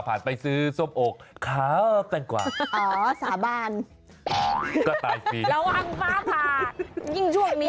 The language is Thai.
ฟ้ามาตลอดเลยช่วงนี้